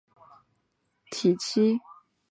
该症出现于月经周期的黄体期。